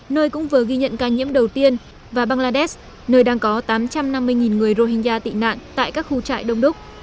nơi cũng vừa ghi nhận ca nhiễm đầu tiên và bangladesh nơi đang có tám trăm năm mươi người rohingya tị nạn tại các khu trại đông đúc